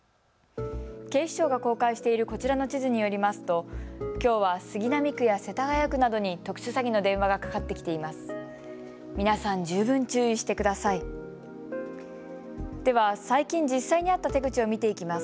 警視庁が公開しているこちらの地図によりますときょうは杉並区や世田谷区などに特殊詐欺の電話がかかってきています。